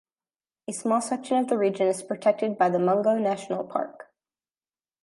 A small section of the region is protected by the Mungo National Park.